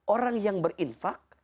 orang yang berinfak